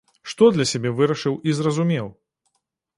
Што для сябе вырашыў і зразумеў?